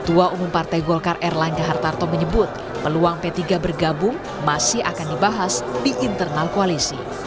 ketua umum partai golkar erlangga hartarto menyebut peluang p tiga bergabung masih akan dibahas di internal koalisi